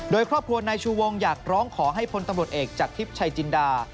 โดยครอบครัวนายชูวงอยากร้องขอให้พลตำรวจเอกจากทิพย์ชัยจินดา